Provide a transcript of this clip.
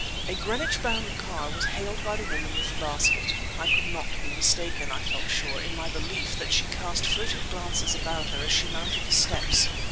A Greenwich bound car was hailed by the woman with the basket. I could not be mistaken, I felt sure, in my belief that she cast furtive glances about her as she mounted the steps.